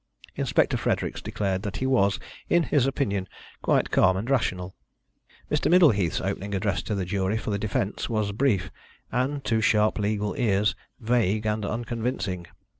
Inspector Fredericks declared that he was, in his opinion, quite calm and rational. Mr. Middleheath's opening address to the jury for the defence was brief, and, to sharp legal ears, vague and unconvincing.